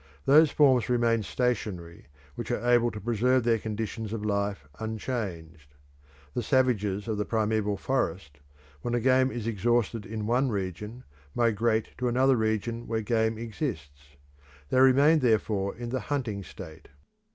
Those forms remain stationary which are able to preserve their conditions of life unchanged. The savages of the primeval forest, when the game is exhausted in one region, migrate to another region where game exists. They remain therefore in the hunting state.